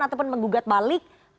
ataupun menggugat balik